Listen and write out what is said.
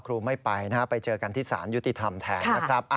ไม่ไปนะฮะไปเจอกันที่สารยุติธรรมแทนนะครับ